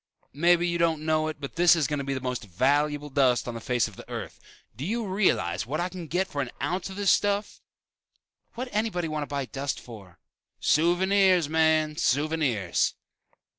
"Maybe you don't know it but this is going to be the most valuable dust on the face of the Earth! Do you realize what I can get for an ounce of this stuff?" "What's anybody want to buy dust for?" "Souvenirs, man, souvenirs!"